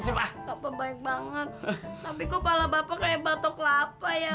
gapapa baik banget tapi kok kepala bapak kayak batok lapa ya